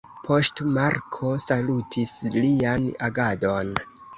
Poŝtmarko salutis lian agadon.